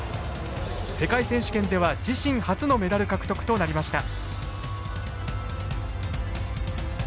世界選手権では自身初のメダル獲得となりました。